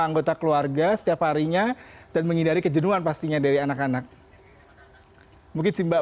anggota keluarga setiap harinya dan menghindari kejenuhan pastinya dari anak anak mungkin sih mbak